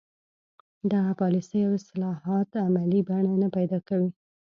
دغه پالیسۍ او اصلاحات عملي بڼه نه پیدا کوي.